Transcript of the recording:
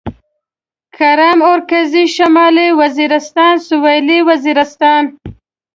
کرم اورکزي شمالي وزيرستان سوېلي وزيرستان